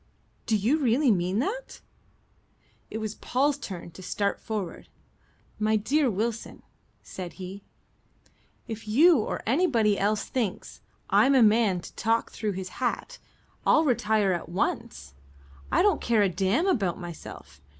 "Do you really mean that?" It was Paul's turn to start forward. "My dear Wilson," said he, "if you or anybody else thinks I'm a man to talk through his hat, I'll retire at once. I don't care a damn about myself.